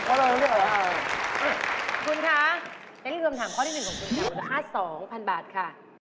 คุณคะอย่าลืมถามข้อที่หนึ่งของคุณค่า๒๐๐๐บาทค่ะ